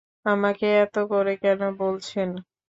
আমাকে এত করে কেন বলছেন?